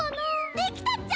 できたっちゃ！